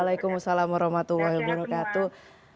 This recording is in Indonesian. assalamualaikum warahmatullahi wabarakatuh